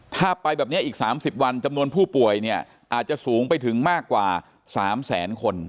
ถ้าไปแบบนี้อีก๓๐วันจำนวนผู้ป่วยเนี่ยอาจจะสูงไปถึงมากกว่า๓แสนคน